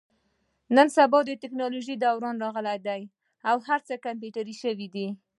نن سبا د تکنالوژۍ دوران راغلی دی. هر څه کمپیوټري شوي دي.